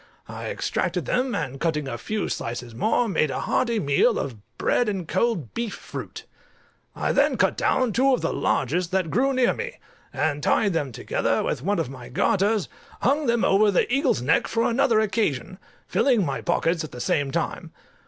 I extracted them, and cutting a few slices more, made a hearty meal of bread and cold beef fruit. I then cut down two of the largest that grew near me, and tying them together with one of my garters, hung them over the eagle's neck for another occasion, filling my pockets at the same time.